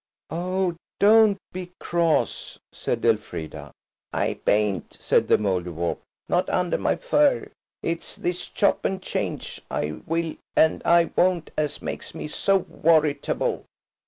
"Oh, don't be cross," said Elfrida. "I bain't," said the Mouldiwarp, "not under my fur. It's this Chop and change, I will and I won't as makes me so worritable."